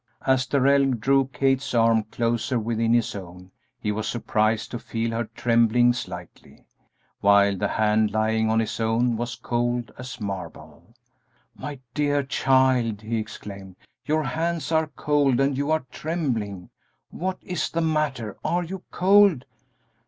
As Darrell drew Kate's arm closer within his own he was surprised to feel her trembling slightly, while the hand lying on his own was cold as marble. "My dear child!" he exclaimed; "your hands are cold and you are trembling! What is the matter are you cold?"